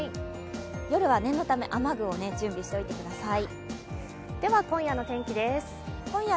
夜は念のため、雨具を準備しておいてください。